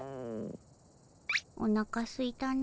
おなかすいたの。